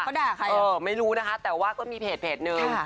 เขาด่าใครเออไม่รู้นะคะแต่ว่าก็มีเพจนึง